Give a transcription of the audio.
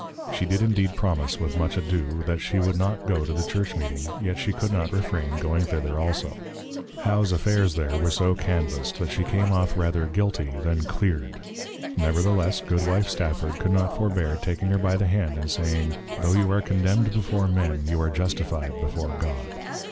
She did indeed promise, with much ado, that she would not go to the Church meeting, yet she could not refrain going thither also. How's Affairs there were so canvased, that she came off rather Guilty than Cleared; nevertheless Goodwife Stafford could not forbear taking her by the Hand, and saying, _Tho' you are Condemned before Men, you are Justify'd before God.